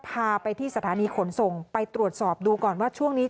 พาไปที่สถานีขนส่งไปตรวจสอบดูก่อนว่าช่วงนี้